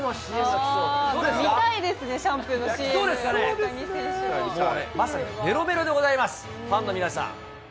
見たいですね、シャンプーのもうまさにめろめろでございます、ファンの皆さん。